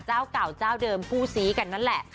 เจ้าเก่าเจ้าเดิมคู่ซี้กันนั่นแหละ